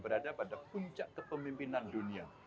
berada pada puncak kepemimpinan dunia